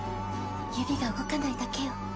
指が動かないだけよ。